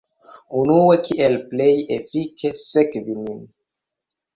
Unue, kiel plej efike sekvi nin